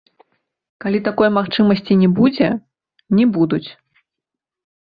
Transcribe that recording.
Калі такой магчымасці не будзе, не будуць.